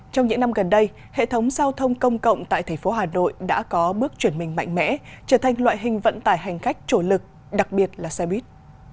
trong những năm gần đây hệ thống giao thông công cộng tại tp hcm đã có bước chuyển mình mạnh mẽ trở thành loại hình vận tải hành khách chỗ lực đặc biệt là xe buýt